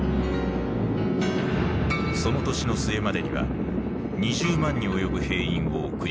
その年の末までには２０万に及ぶ兵員を送り込む。